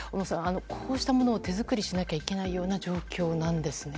こうしたものを手作りしなきゃいけないような状況なんですね。